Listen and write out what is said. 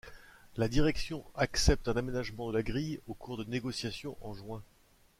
La direction accepte un aménagement de la grille au cours de négociations en juin.